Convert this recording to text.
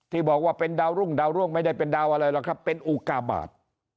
ที่บอกว่าเป็นดาวรุ่งดาวร่วงไม่ได้เป็นดาวอะไรหรอกครับเป็นอุกาบาท